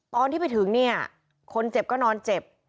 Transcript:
ตอนที่ไปถึงเนี่ยคนเจ็บก็นอนเจ็บ